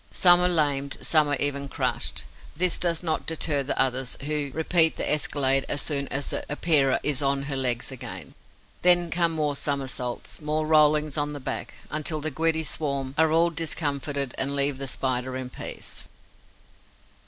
Some are lamed, some are even crushed. This does not deter the others, who repeat the escalade as soon as the Epeira is on her legs again. Then come more somersaults, more rollings on the back, until the giddy swarm are all discomfited and leave the Spider in peace.